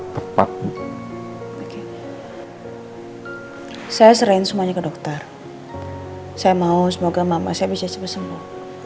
tepat saya serahin semuanya ke dokter saya mau semoga mama saya bisa sembuh sembuh